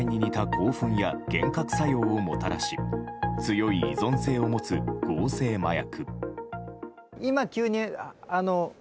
興奮や幻覚作用をもたらし強い依存性を持つ合成麻薬。